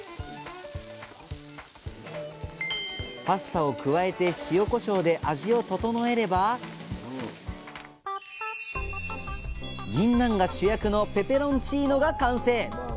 パスタを加えて塩こしょうで味を調えればぎんなんが主役のペペロンチーノが完成！